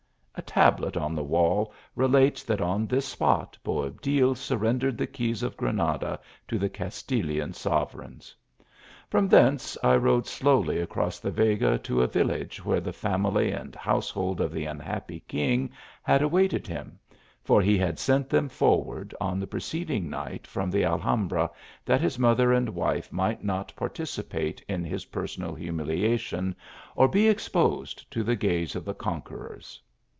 A tablet on the wall relates that on this spot Boabdil surrendered the keys of Granada to the Castilian sovereigns From thence I rode slowly across the Vega 10 a village where the family and household of the un happy king had awaited him : for he had sent them forward on the preceding night from the Alhambra, that his mother and wife might not participate in his personal humiliation, or be exposed to the gaze of the conquerors.